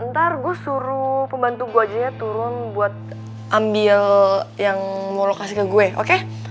ntar gua suruh pembantu gua aja turun buat ambil yang mau lo kasih ke gue oke